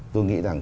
tôi nghĩ rằng